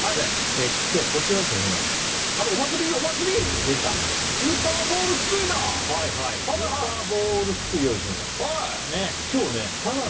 はい今日はこちらですね日村さん出たスーパーボールすくいだはいはいスーパーボールすくい用意しましたねえ